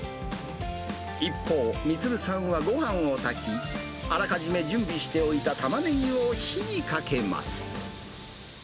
一方、充さんはごはんを炊き、あらかじめ準備しておいたタマネギを火にかけます。